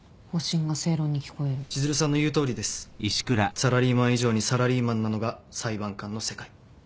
サラリーマン以上にサラリーマンなのが裁判官の世界。